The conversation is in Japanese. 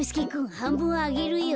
はんぶんあげるよ。